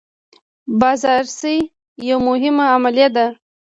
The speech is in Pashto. بازرسي یوه مهمه عملیه ده.